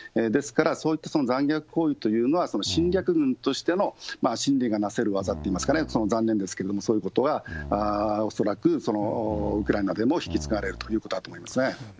ですからそういった残虐行為というのは、侵略軍としての心理がなせる業っていうんですかね、残念ですけれども、そういうことは恐らく、ウクライナでも引き継がれるということだと思いますね。